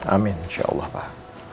amin insya allah pak